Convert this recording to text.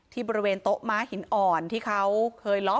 ที่บริเวณโต๊ะม้าหินอ่อนที่เขาเคยล้อมวงดึกนะครับ